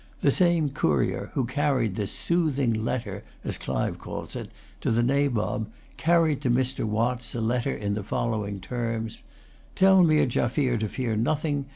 The same courier who carried this "soothing letter," as Clive calls it, to the Nabob, carried to Mr. Watts a letter in the following terms: "Tell Meer Jaffier to fear nothing.